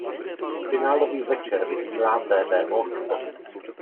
Finálový večer vysílá Tv Óčko.